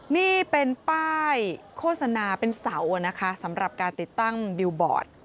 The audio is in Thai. นี่เป็นป้ายโฆษณาเป็นเสานะคะสำหรับการติดตั้งบิลบอร์ด